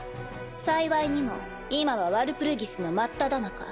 幸いにも今はワルプルギスの真っただ中。